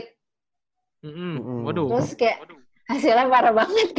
terus kayak hasilnya parah banget kan